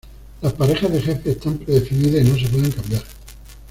Las parejas de jefes están predefinidas y no se pueden cambiar.